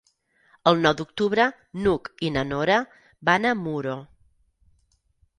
El nou d'octubre n'Hug i na Nora van a Muro.